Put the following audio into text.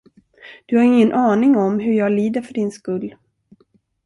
Du har ingen aning om, hur jag lider för din skull.